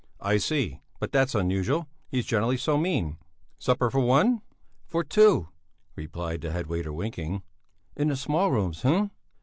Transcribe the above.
"I see! But that's unusual, he's generally so mean. Supper for one?" "For two," replied the head waiter, winking. "In the small rooms, hm!"